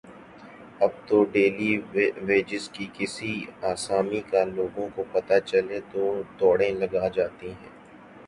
اب تو daily wages کی کسی آسامی کا لوگوں کو پتہ چلے تو دوڑیں لگ جاتی ہیں۔